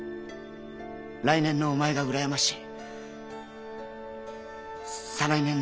来年のお前がうらやましい。